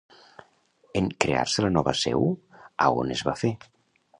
En crear-se la nova seu, a on es va fer?